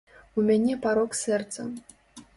У мяне парок сэрца.